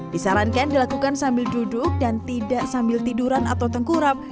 disarankan dilakukan sambil duduk dan tidak sambil tiduran atau tengkurap